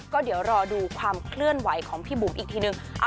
ก็เดี๋ยวรอดูความเคลื่อนไหวของพี่บุ๋มอีกทีนึง